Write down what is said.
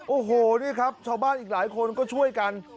โอ้โหนี่ครับชาวบ้านอีกหลายคนก็ช่วยกัน